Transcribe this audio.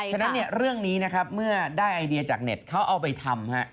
ฉะนั้นเรื่องนี้นะครับเมื่อได้ไอเดียจากเน็ตเขาเอาไปทำ